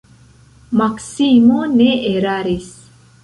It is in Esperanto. Maksimo ne eraris.